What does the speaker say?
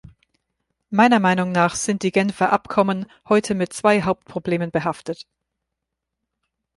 Meiner Meinung nach sind die Genfer Abkommen heute mit zwei Hauptproblemen behaftet.